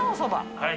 はい。